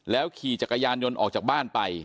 ขี่จักรยานยนต์ออกจากบ้านไป